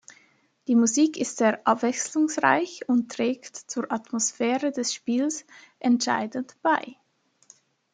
Die Musik ist sehr abwechslungsreich und trägt zur Atmosphäre des Spiels entscheidend bei.